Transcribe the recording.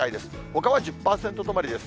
ほかは１０％止まりです。